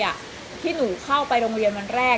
ตอนที่เข้าไปโรงเรียนวันแรก